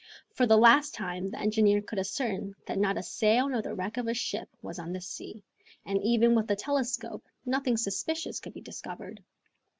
For the last time the engineer could ascertain that not a sail nor the wreck of a ship was on the sea, and even with the telescope nothing suspicious could be discovered.